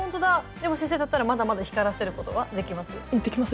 でも先生だったらまだまだ光らせることはできます？